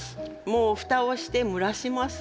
もう蓋をして蒸らします。